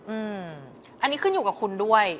อืมอันนี้ขึ้นอยู่กับคุณด้วย